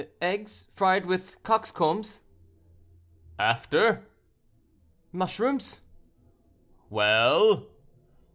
"Eggs fried with cock's combs." "After?" "Mushrooms." "Well?"